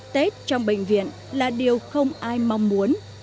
tết trong bệnh viện là điều không ai mong muốn